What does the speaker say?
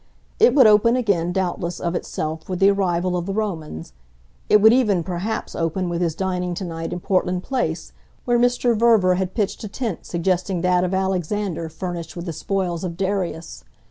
It would open again, doubtless, of itself, with the arrival of the Romans; it would even perhaps open with his dining to night in Portland Place, where Mr. Verver had pitched a tent suggesting that of Alexander furnished with the spoils of Darius.